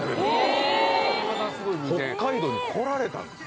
へぇ北海道に来られたんです